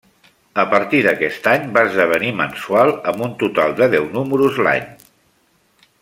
A partir d'aquest any va esdevenir mensual, amb un total de deu números l’any.